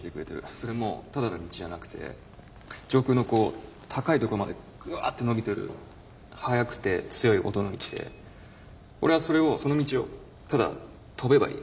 それもただの道じゃなくて上空のこう高いところまでグワッて伸びてる速くて強い音の道で俺はそれをその道をただ飛べばいい。